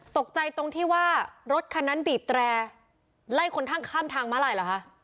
ตกใจตรงที่ว่ารถคันนั้นบีบแตร่ไล่คนทั้งข้ามทางมาลายเหรอคะ